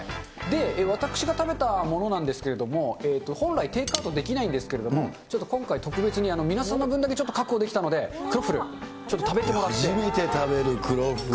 私が食べたものなんですけれども、本来テイクアウトできないんですけれども、ちょっと今回、特別に皆さんの分だけちょっと確保できたので、クロッフル、食べてもら初めて食べる、クロッフル。